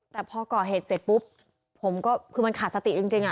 แต่พอก่อเหตุเสร็จปุ๊บผมก็คือมันขาดสติจริง